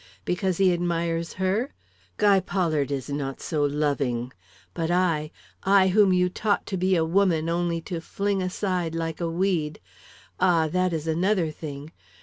Because he admires her? Guy Pollard is not so loving. But I I whom you taught to be a woman, only to fling aside like a weed Ah, that is another thing!